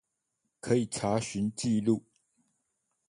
可以查詢記錄